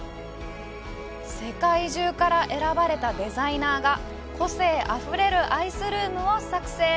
世界中から選ばれたデザイナーが個性あふれるアイスルームを作成。